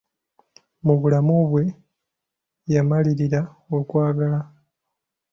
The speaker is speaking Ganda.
Mu bulamu bwe yamalirira okwagala.